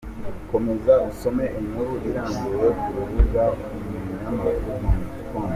Komeza usome inkuru irambuye ku rubuga umunyamakuru.com